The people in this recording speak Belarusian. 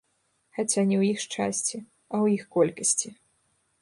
Хаця не ў іх шчасце, а ў іх колькасці.